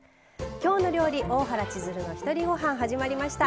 「きょうの料理大原千鶴のひとりごはん」始まりました。